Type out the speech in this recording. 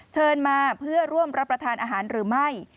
เชิญมาเพื่อร่วมรับประทานอาหารหรือไม่